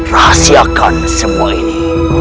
rahasiakan semua ini